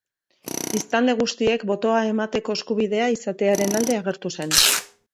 Biztanle guztiek botoa emateko eskubidea izatearen alde agertu zen.